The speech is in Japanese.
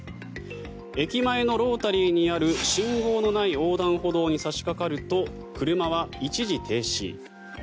駅前のロータリーにある信号のない横断歩道に差しかかると車は一時停止。